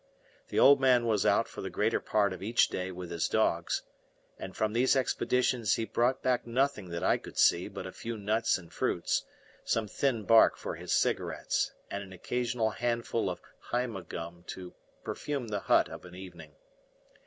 The old man was out for the greater part of each day with his dogs, and from these expeditions he brought back nothing that I could see but a few nuts and fruits, some thin bark for his cigarettes, and an occasional handful of haima gum to perfume the hut of an evening.